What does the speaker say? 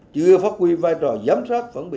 chưa phát quy vai trò giám sát phản biệt